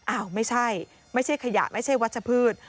อ้าวไม่ใช่ไม่ใช่ขยะไม่ใช่วัชพืช